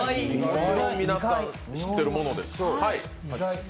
皆さん知ってるものです。